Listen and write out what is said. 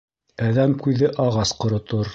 Әҙәм күҙе ағас ҡоротор.